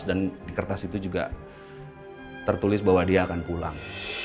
dan di kertas itu juga tertulis bahwa dia akan pulang